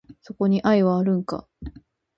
そこに愛はあるんか？